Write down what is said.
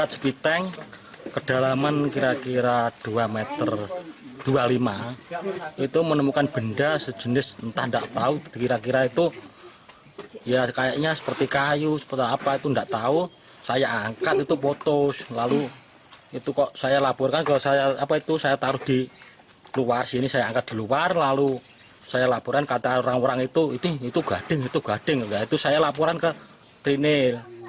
saya taruh di luar sini saya angkat di luar lalu saya laporan kata orang orang itu itu gading itu gading itu saya laporan ke trinil